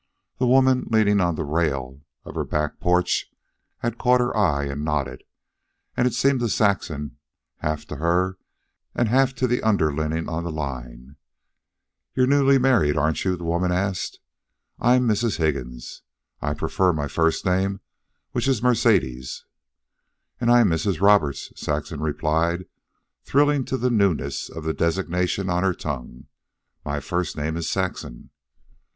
The woman leaning on the rail of her back porch, had caught her eye, and nodded, as it seemed to Saxon, half to her and half to the underlinen on the line. "You're newly married, aren't you?" the woman asked. "I'm Mrs. Higgins. I prefer my first name, which is Mercedes." "And I'm Mrs. Roberts," Saxon replied, thrilling to the newness of the designation on her tongue. "My first name is Saxon."